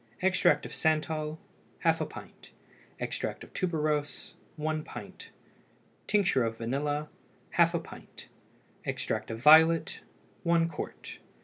Extract of santal ½ pint. Extract of tuberose 1 pint. Tincture of vanilla ½ pint. Extract of violet 1 qt.